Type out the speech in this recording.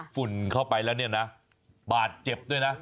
ฝุ่นเข้าไปแล้วปากเจ็บด้วยนะ